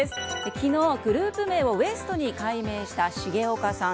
昨日、グループ名をＷＥＳＴ．に改名した重岡さん。